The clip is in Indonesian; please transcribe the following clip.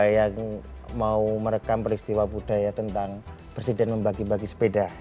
yang mau merekam peristiwa budaya tentang presiden membagi bagi sepeda